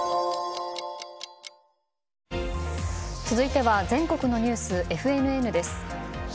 続いては全国のニュースＦＮＮです。